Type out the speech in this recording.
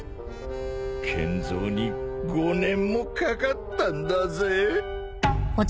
建造に５年もかかったんだぜ。